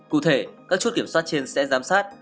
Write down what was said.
cụ thể các chốt kiểm soát trên sẽ giám sát